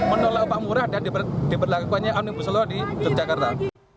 menolak upah murah dan diperlakukannya omnibusuloh di yogyakarta